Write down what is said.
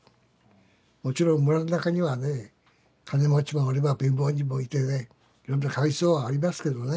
もちろん村の中にはね金持ちもおれば貧乏人もいてねいろんな階層はありますけどね。